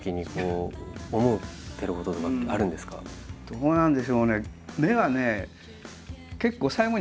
どうなんでしょうね。